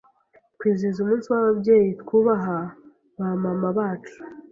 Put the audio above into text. Twizihiza umunsi w'ababyeyi twubaha ba mama bacu.